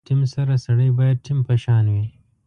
له ټیم سره سړی باید ټیم په شان وي.